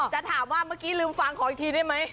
จะถามว่าเมื่อกี้ลืมฟังขออีกทีได้ไหม